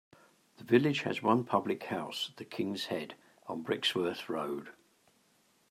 The village has one public house, the "King's Head" on Brixworth Road.